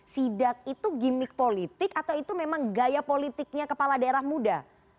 sidak itu gimmick politik atau itu memang gaya politiknya kepala daerah muda